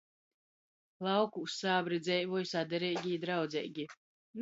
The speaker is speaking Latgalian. Laukūs sābri dzeivoj sadareigi i draudzeigi.